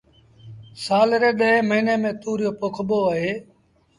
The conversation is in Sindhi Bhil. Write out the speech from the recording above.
سآل ري ڏهين موهيݩي ميݩ تُوريو پوکبو اهي